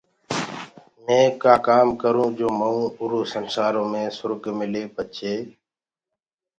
مي ڪآ ڪآم ڪروٚنٚ جو مئوٚنٚ اُرو سنسآرو مي سُرگ ملي پڇي